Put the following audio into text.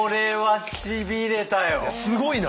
すごいな。